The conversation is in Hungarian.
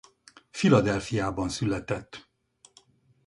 Philadelphiában született.